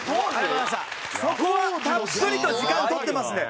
そこはたっぷりと時間取ってますんで。